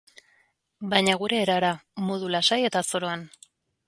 Baina gure erara, modu lasai eta zoroan.